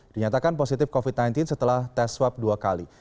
dinyatakan positif covid sembilan belas setelah tes swab dua kali